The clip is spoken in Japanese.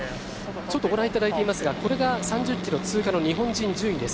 ちょっとご覧いただいていますがこれが３０キロ通過の日本選手の順位です。